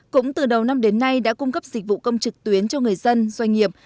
cũng từ đầu năm đến nay đã cung cấp dịch vụ công trực tuyến cho người dân doanh nghiệp